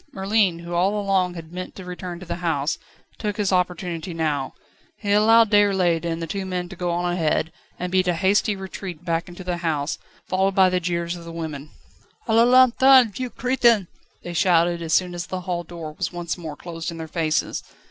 Merlin, who all along had meant to return to the house, took his opportunity now. He allowed Déroulède and the two men to go on ahead, and beat a hasty retreat back into the house, followed by the jeers of the women. "A la lanterne, vieux crétin!" they shouted as soon as the hall door was once more closed in their faces.